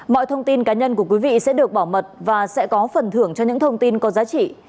mọi thông tin cá nhân của quý vị sẽ được bảo mật và sẽ có phần thưởng cho những thông tin có giá trị